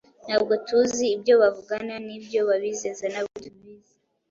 ntabwo tuzi ibyo bavugana n’ibyo babizeza ntabwo tubizi